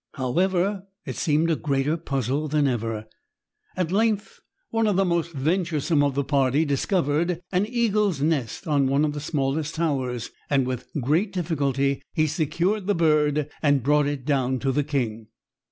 However, it seemed a greater puzzle than ever. At length, one of the most venturesome of the party discovered an eagle's nest on one of the smallest towers, and with great difficulty he secured the bird and brought it down to the king.